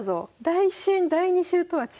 第１週第２週とは違う。